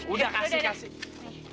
udah kasih kasih